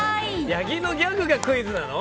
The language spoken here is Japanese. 八木のギャグがクイズなの？